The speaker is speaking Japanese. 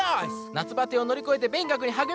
夏バテを乗り越えて勉学に励みます！